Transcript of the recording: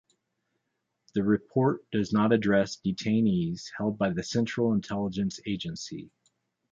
The report does not address detainees held by the Central Intelligence Agency.